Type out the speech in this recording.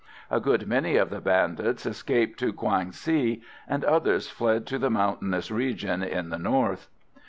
A good many of the bandits escaped into Kwang si, and others fled to the mountainous regions in the north.